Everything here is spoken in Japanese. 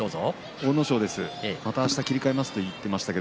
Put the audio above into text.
阿武咲ですがまたあした、切り替えますと言っていました